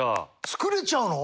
作れちゃうの？